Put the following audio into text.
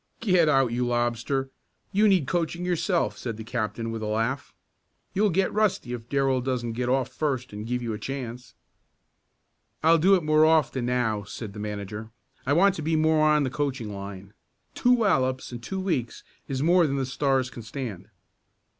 "Get out, you lobster, you need coaching yourself," said the captain with a laugh. "You'll get rusty if Darrell doesn't get off first and give you a chance." "I'll do it more often now," said the manager. "I want to be more on the coaching line. Two wallops in two weeks is more than the Stars can stand."